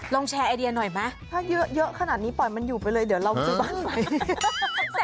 แชร์ไอเดียหน่อยไหมถ้าเยอะขนาดนี้ปล่อยมันอยู่ไปเลยเดี๋ยวเราซื้อบ้านใหม่